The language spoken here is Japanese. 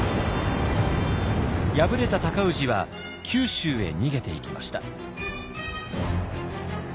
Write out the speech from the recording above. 敗れた尊氏は九州へ逃げていきました。